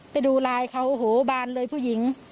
ไปดูไลน์เขาโอ้โหบานเลยผู้หญิง